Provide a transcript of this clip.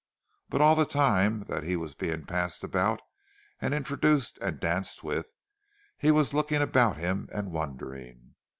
But all the time that he was being passed about and introduced and danced with, he was looking about him and wondering.